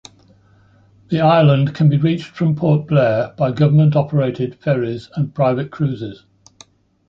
The island can be reached from Port Blair by government-operated ferries and private cruises.